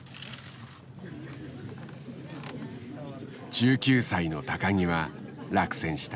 １９歳の木は落選した。